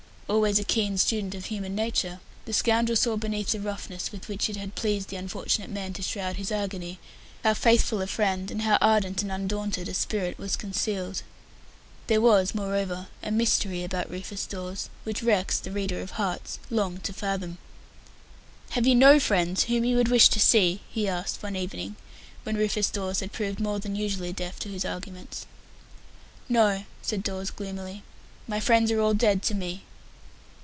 Always a keen student of human nature, the scoundrel saw beneath the roughness with which it had pleased the unfortunate man to shroud his agony, how faithful a friend and how ardent and undaunted a spirit was concealed. There was, moreover, a mystery about Rufus Dawes which Rex, the reader of hearts, longed to fathom. "Have you no friends whom you would wish to see?" he asked, one evening, when Rufus Dawes had proved more than usually deaf to his arguments. "No," said Dawes gloomily. "My friends are all dead to me."